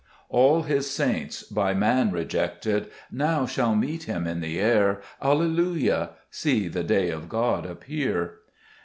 All His saints, by man rejected, Xow shall meet Him in the air : Alleluia ! See the day of God appear